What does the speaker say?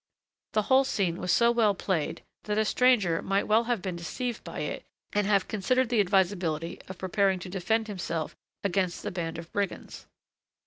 The whole scene was so well played that a stranger might well have been deceived by it and have considered the advisability of preparing to defend himself against a band of brigands.